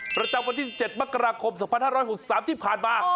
ประจำวันที่๑๗มกราคม๒๕๖๓ที่ผ่านมา